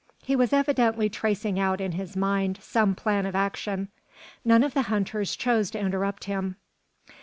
He was evidently tracing out in his mind some plan of action. None of the hunters chose to interrupt him.